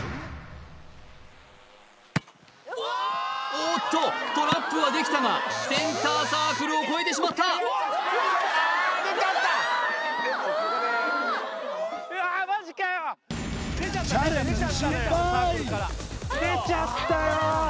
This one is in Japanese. おーっとトラップはできたがセンターサークルをこえてしまったうわあっチャレンジ失敗出ちゃったよ